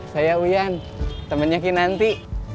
saya uyan temennya kinanti